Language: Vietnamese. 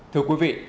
thưa quý vị